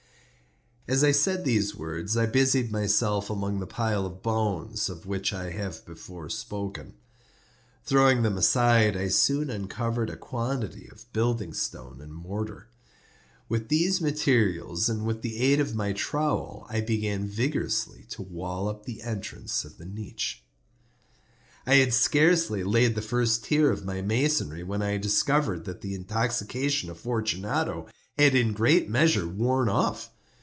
As I said these words I busied myself among the pile of bones of which I have before spoken. Throwing them aside, I soon uncovered a quantity of building stone and mortar. With these materials and with the aid of my trowel, I began vigorously to wall up the entrance of the niche. I had scarcely laid the first tier of my masonry when I discovered that the intoxication of Fortunato had in a great measure worn off.